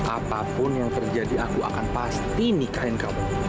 apapun yang terjadi aku akan pasti nikahin kamu